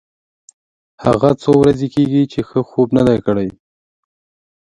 هغه څو ورځې کېږي چې ښه خوب نه دی کړی.